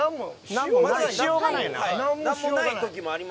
何もしようがないよな？